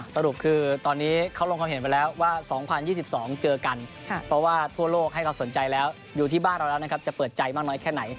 สรุปคือตอนนี้เขาลงความเห็นไปแล้วว่า๒๐๒๒เจอกันเพราะว่าทั่วโลกให้ความสนใจแล้วอยู่ที่บ้านเราแล้วนะครับจะเปิดใจมากน้อยแค่ไหน